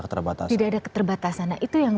tidak ada keterbatasan nah itu yang